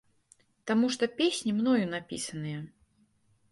Таму што песні мною напісаныя.